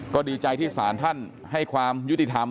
ก็ดีใจที่สารท่านให้ความยุติธรรม